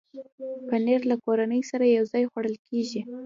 پنېر له کورنۍ سره یو ځای خوړل کېږي.